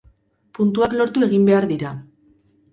Puntuak lortu egin behar dira.